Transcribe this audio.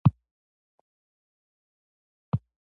بودجه باید عادلانه وي